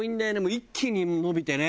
一気に伸びてね。